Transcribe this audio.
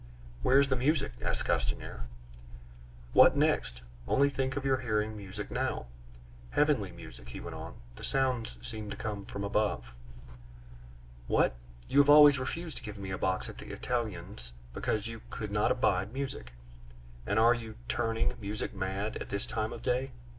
"Where is the music?" asked Castanier. "What next? Only think of your hearing music now!" "Heavenly music!" he went on. "The sounds seem to come from above." "What? You have always refused to give me a box at the Italiens because you could not abide music, and are you turning music mad at this time of day?